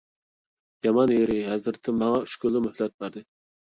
يامان يېرى، ھەزرىتىم ماڭا ئۈچ كۈنلۈكلا مۆھلەت بەردى.